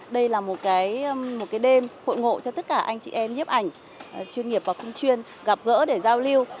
đây là một cái đêm hội ngộ cho tất cả anh chị em nhiếp ảnh chuyên nghiệp và không chuyên gặp gỡ để giao lưu